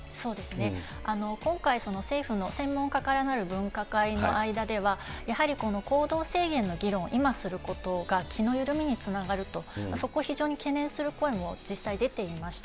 今回、政府の専門家からなる分科会の間では、やはりこの行動制限の議論、今することが気の緩みにつながると、そこを非常に懸念する声も実際、出ていました。